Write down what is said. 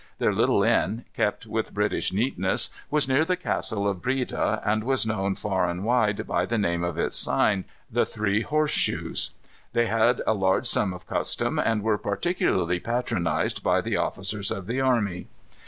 Their little inn, kept with British neatness, was near the Castle of Breda, and was known far and wide by the name of its sign, "The Three Horse Shoes." They had a large run of custom, and were particularly patronized by the officers of the army.